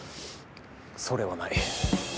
それはない。